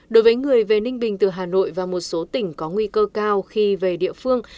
đối với người về ninh bình từ hà nội và một số tỉnh có nguy cơ cao khi về địa phương